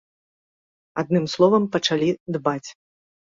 Адным словам, пачалі дбаць.